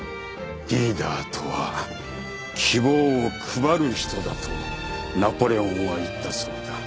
リーダーとは希望を配る人だとナポレオンは言ったそうだ。